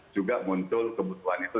juga muncul kebutuhan itu